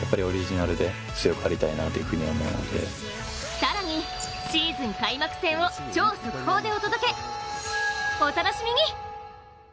更にシーズン開幕戦を超速報でお届け、お楽しみに。